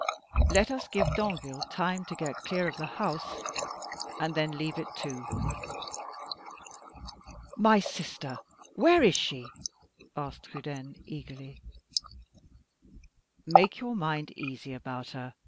"Let us give Danville time to get clear of the house, and then leave it too." "My sister! where is she?" asked Trudaine, eagerly. "Make your mind easy about her.